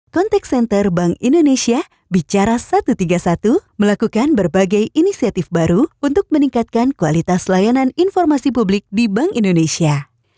contact center bank indonesia bicara satu ratus tiga puluh satu melakukan berbagai inisiatif baru untuk meningkatkan kualitas layanan informasi publik di bank indonesia